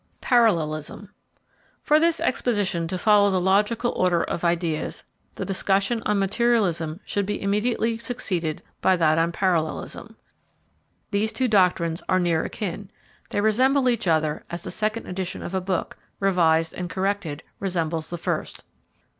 PARALLELISM For this exposition to follow the logical order of ideas, the discussion on materialism should be immediately succeeded by that on parallelism. These two doctrines are near akin; they resemble each other as the second edition of a book, revised and corrected, resembles the first.